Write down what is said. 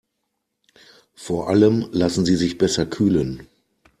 Vor allem lassen sie sich besser kühlen.